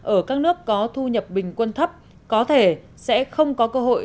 ở các nước có thu nhập bình quân thấp có thể sẽ không có cơ hội